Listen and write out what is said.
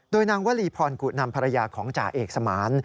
โดยนางวลีพรกุนำภรรยาของจ่าเอกสมาน